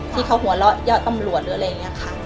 ที่เขาหัวละก้าดตำรวจอะไรอย่างนี้ค่ะ